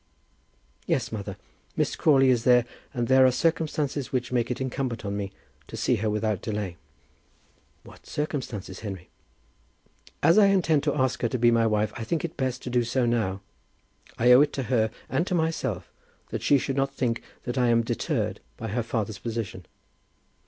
"Yes, mother. Miss Crawley is there, and there are circumstances which make it incumbent on me to see her without delay." "What circumstances, Henry?" "As I intend to ask her to be my wife, I think it best to do so now. I owe it to her and to myself that she should not think that I am deterred by her father's position."